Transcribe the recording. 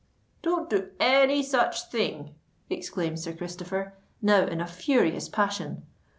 "Don't do any such thing," exclaimed Sir Christopher, now in a furious passion.